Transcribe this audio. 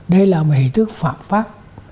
đây là một hình thức phạm pháp